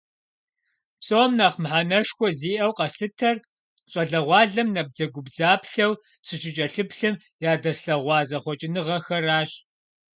Псом нэхъ мыхьэнэшхуэ зиӏэу къэслъытэр, щӏалэгъуалэм набдзэгубдзаплъэу сыщыкӏэлъыплъым, ядэслъэгъуа зэхъуэкӏыныгъэхэращ.